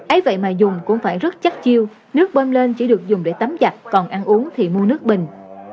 ấy vậy mà dùng cũng phải rất chắc chiêu nước bơm lên chỉ được dùng để tắm giặt còn ăn uống thì mua nước bình